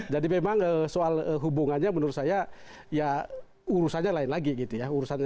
memang soal hubungannya menurut saya ya urusannya lain lagi gitu ya urusannya